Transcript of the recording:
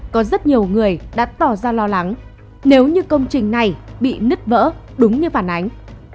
có rất nhiều người đã tỏ ra lo lắng nếu như công trình này bị nứt vỡ đúng như phản ánh